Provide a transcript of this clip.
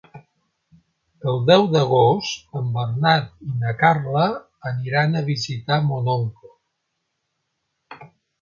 El deu d'agost en Bernat i na Carla aniran a visitar mon oncle.